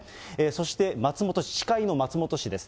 そして松本氏、司会の松本氏です。